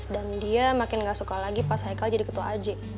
dan dia makin gak suka lagi pas haikal jadi ketua aj